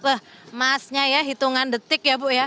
wah masnya ya hitungan detik ya bu ya